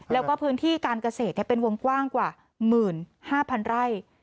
แล้วก็พื้นที่การเกษตรเนี่ยเป็นวงกว้างกว่าหมื่นห้าพันไร่